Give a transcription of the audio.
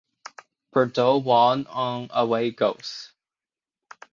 Bordeaux won on away goals.